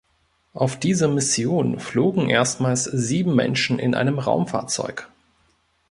Auf dieser Mission flogen erstmals sieben Menschen in einem Raumfahrzeug.